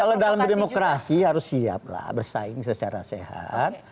kalau dalam berdemokrasi harus siap lah bersaing secara sehat